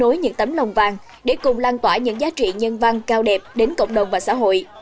kết nối những tấm lòng vàng để cùng lan tỏa những giá trị nhân văn cao đẹp đến cộng đồng và xã hội